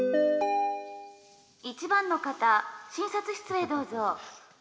「１番の方診察室へどうぞ」。